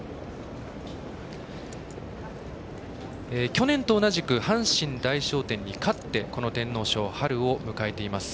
去年と同じく阪神大賞典に勝ってこの天皇賞を迎えています。